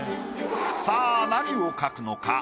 さぁ何を描くのか？